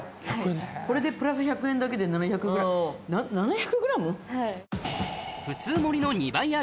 これでプラス１００円だけで７００。を注文